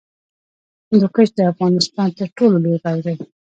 هندوکش د افغانستان تر ټولو لوی غر دی